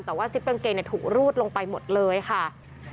แต่ว่าซิปกางเกงถูกรูดลงไปหมดเลยค่ะ